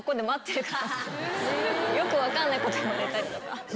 よく分かんないこと言われたりとか。